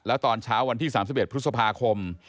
แล้วตอนเช้าวันที่๓๑พฤษภาคม